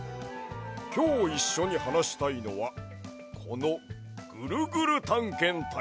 きょういっしょにはなしたいのはこの「ぐるぐるたんけんたい」。